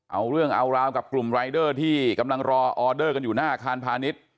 เอาเรื่องเอาราวกับกลุ่มรายเดอร์ที่กำลังรอออเดอร์กันอยู่หน้าอาคารพาณิชย์